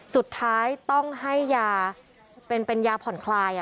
สุดท้ายต้องให้ยาเป็นยาผ่อนคลาย